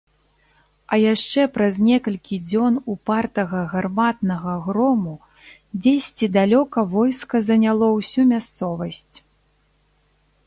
А яшчэ праз некалькі дзён упартага гарматнага грому дзесьці далёка войска заняло ўсю мясцовасць.